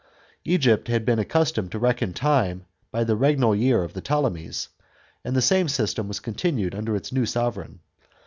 Egypt had been accustomed to reckon time by the regnal year of the Ptolemies, and the same svstem was continued under its new sovran.